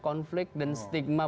konflik dan stigma